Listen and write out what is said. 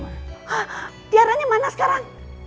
hah tiaranya mana sekarang